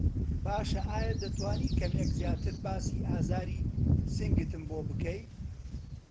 باشه ئایا دەتوانی کەمێک زیاتر باسی ئازاری سنگتم بۆ بکەی؟